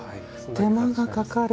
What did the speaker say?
手間がかかる。